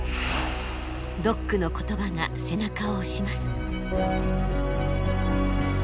ドックの言葉が背中を押します。